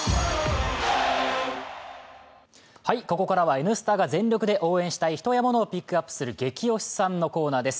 ここからは「Ｎスタ」が全力で応援したい人やものをピックアップする「ゲキ推しさん」のコーナーです。